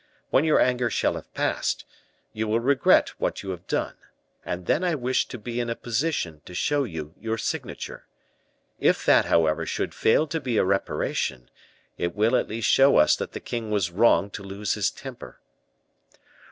When your anger shall have passed, you will regret what you have done; and then I wish to be in a position to show you your signature. If that, however, should fail to be a reparation, it will at least show us that the king was wrong to lose his temper."